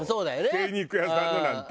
精肉屋さんのなんて。